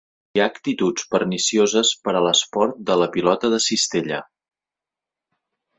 Hi ha actituds pernicioses per a l'esport de la pilota de cistella.